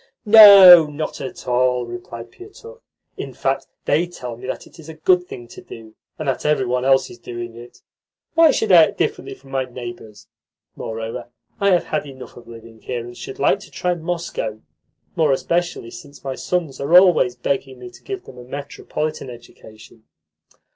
"No, not at all," replied Pietukh. "In fact, they tell me that it is a good thing to do, and that every one else is doing it. Why should I act differently from my neighbours? Moreover, I have had enough of living here, and should like to try Moscow more especially since my sons are always begging me to give them a metropolitan education."